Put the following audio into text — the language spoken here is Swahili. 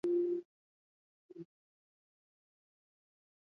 Mateso inasemeshaka mutu mabaya